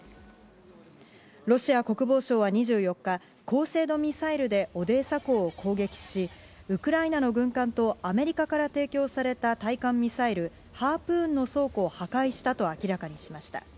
ロシア国防省は２４日、高精度ミサイルでオデーサ港を攻撃し、ウクライナの軍艦とアメリカから提供された対艦ミサイル、ハープーンの倉庫を破壊したと明らかにしました。